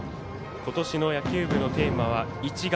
ことしの野球部のテーマは「一丸」。